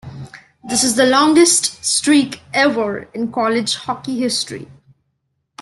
This is the longest streak ever in college hockey history.